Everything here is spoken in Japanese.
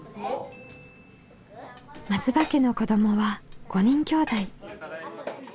松場家の子どもは５人きょうだい。